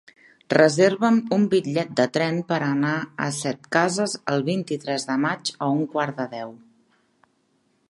Reserva'm un bitllet de tren per anar a Setcases el vint-i-tres de maig a un quart de deu.